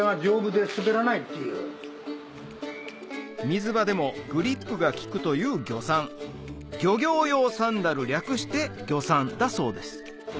水場でもグリップが利くというギョサン漁業用サンダル略してギョサンだそうです